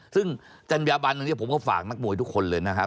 ซึ่งจัญญาบันตรงนี้ผมก็ฝากนักมวยทุกคนเลยนะครับ